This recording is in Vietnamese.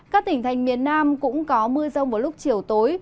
các tỉnh thành miền nam cũng có mưa rông vào lúc chiều tối